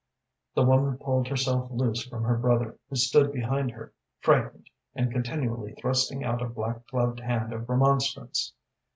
The woman pulled herself loose from her brother, who stood behind her, frightened, and continually thrusting out a black gloved hand of remonstrance.